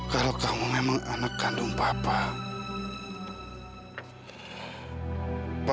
kalau kamu memang anak kandung papa